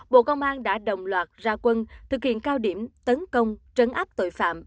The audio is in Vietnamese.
bộ công an đã đồng loạt ra quân thực hiện cao điểm tấn công trấn áp tội phạm